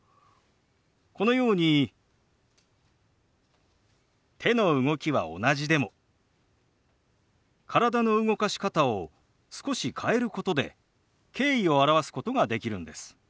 このように手の動きは同じでも体の動かし方を少し変えることで敬意を表すことができるんです。